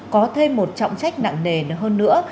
có thêm một trọng trách nặng nề hơn nữa